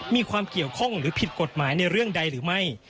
มีความเกี่ยวข้องหรือผิดกฎหมายในเรื่องใดหรือไม่